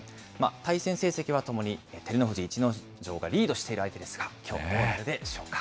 対戦成績はともに照ノ富士、逸ノ城がリードしている相手ですが、きょうはどうなるでしょうか。